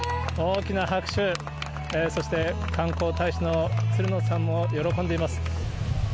大きな拍手、そして、観光大使のつるのさんも喜んでいます。